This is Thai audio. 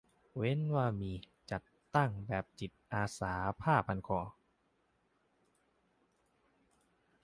เว้นว่ามี "จัดตั้ง" แบบจิตอาสาผ้าพันคอ